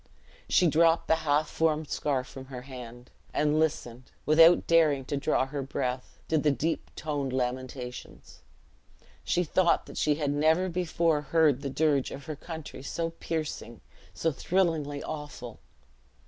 She dropped the half formed scarf from her hand; and listened, without daring to draw her breath, to the deep toned lamentations. She thought that she had never before heard the dirge of her country so piercing, so thrillingly awful.